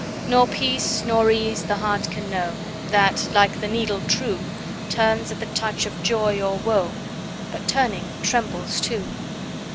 Nor peace nor ease the heart can know, 5 That, like the needle true, Turns at the touch of joy or woe, But turning, trembles too.